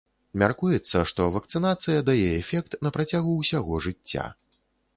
Мяркуецца, што вакцынацыя дае эфект на працягу ўсяго жыцця.